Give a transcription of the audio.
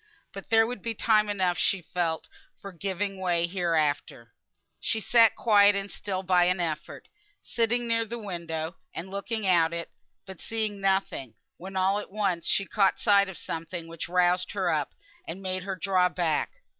But there would be time enough she felt for giving way, hereafter. So she sat quiet and still by an effort; sitting near the window, and looking out of it, but seeing nothing, when all at once she caught sight of something which roused her up, and made her draw back.